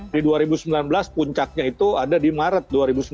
di dua ribu sembilan belas puncaknya itu ada di maret dua ribu sembilan belas